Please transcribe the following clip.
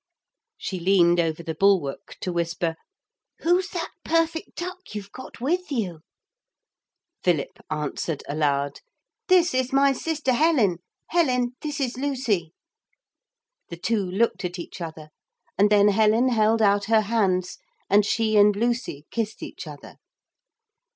She leaned over the bulwark to whisper, 'Who's that perfect duck you've got with you?' Philip answered aloud: 'This is my sister Helen Helen this is Lucy.' The two looked at each other, and then Helen held out her hands and she and Lucy kissed each other.